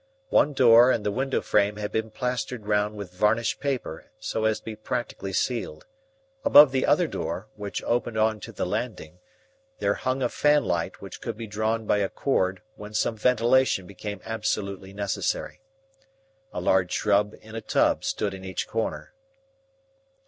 One door and the window frame had been plastered round with varnished paper so as to be practically sealed. Above the other door, which opened on to the landing, there hung a fanlight which could be drawn by a cord when some ventilation became absolutely necessary. A large shrub in a tub stood in each corner.